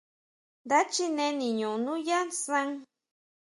Nda chine niño nuyá san.